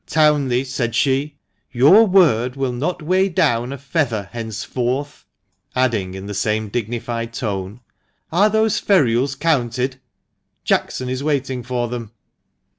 "Townley," said she, "your word will not weigh down a feather henceforth," adding in the same dignified tone, " Are those ferules counted 1 Jackson is waiting for them."